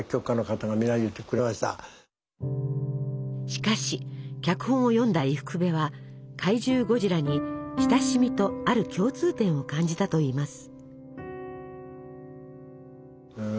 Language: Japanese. しかし脚本を読んだ伊福部は怪獣ゴジラに親しみとある共通点を感じたといいます。